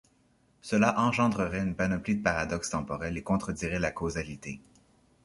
Cela engendrerait une panoplie de paradoxes temporels et contredirait la causalité.